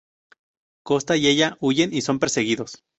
Kosta y ella huyen y son perseguidos.